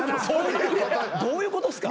どういうことっすか？